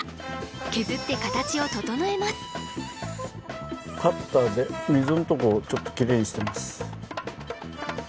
削って形を整えますカッターで溝のとこをちょっときれいにしてます